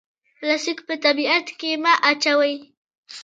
پلاستیک په طبیعت کې مه اچوئ